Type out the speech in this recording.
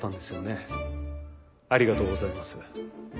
ありがとうございます。